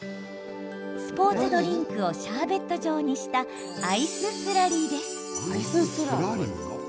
スポーツドリンクをシャーベット状にしたアイススラリーです。